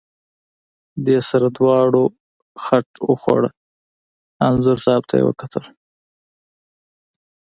دې سره دواړو خټ وخوړه، انځور صاحب ته یې وکتل.